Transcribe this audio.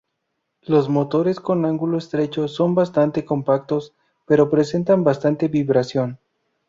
Los motores con ángulo estrecho son bastante compactos, pero presentan bastante vibración.